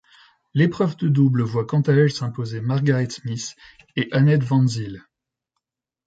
L'épreuve de double voit quant à elle s'imposer Margaret Smith et Annette Van Zyl.